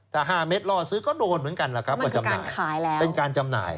ถ้า๕เมตรล่อซื้อก็โดนเหมือนกันเป็นการจำหน่าย